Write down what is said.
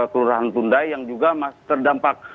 kelurahan tundai yang juga terdampak